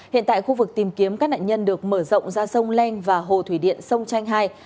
hiện tại khu vực tìm kiếm các nạn nhân được mở rộng ra sông len và hồ thủy điện sông chanh hai